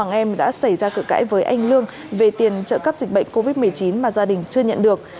lê hiền lương đã xảy ra sự kiểm soát với anh lương về tiền trợ cấp dịch bệnh covid một mươi chín mà gia đình chưa nhận được